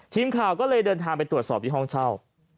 ทีมข่าวก็เลยเดินทางไปตรวจสอบที่ห้องเช่า